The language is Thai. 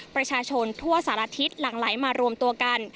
ประชาชนทั่วสารทิศหลังไหลมารวมตัวกัน